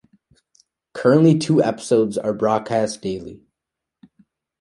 Currently two episodes are broadcast daily.